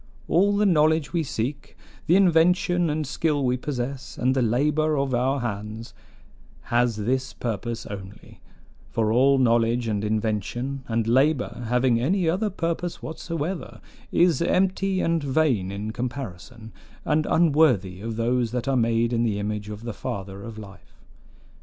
All the knowledge we seek, the invention and skill we possess, and the labor of our hands, has this purpose only: for all knowledge and invention and labor having any other purpose whatsoever is empty and vain in comparison, and unworthy of those that are made in the image of the Father of life.